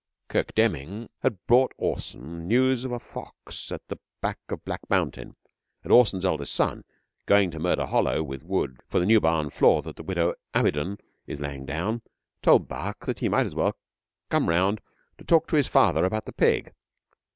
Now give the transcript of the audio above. Kirk Demming had brought Orson news of a fox at the back of Black Mountain, and Orson's eldest son, going to Murder Hollow with wood for the new barn floor that the widow Amidon is laying down, told Buck that he might as well come round to talk to his father about the pig.